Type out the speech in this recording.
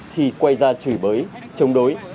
thì quay ra chửi bới chống đối